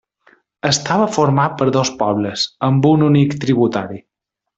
Estava format per dos pobles, amb un únic tributari.